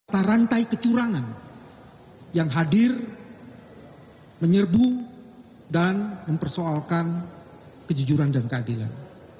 di rantai kecurangan yang hadir menyerbu dan mempersoalkan kejujuran dan keadilan